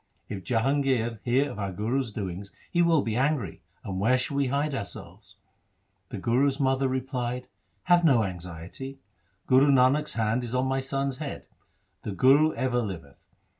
If Jahangir hear of our Guru's doings he will be angry ; and where shall we hide ourselves ?' The Guru's mother replied, ' Have no anxiety. Guru Nanak's hand is on my son's head. The Guru ever liveth.